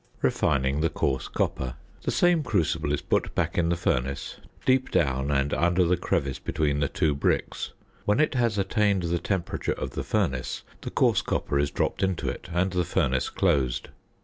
~Refining the Coarse Copper.~ The same crucible is put back in the furnace, deep down and under the crevice between the two bricks. When it has attained the temperature of the furnace the coarse copper is dropped into it and the furnace closed.